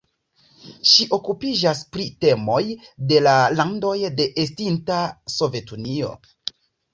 Ŝi okupiĝas pri temoj de la landoj de estinta Sovetunio.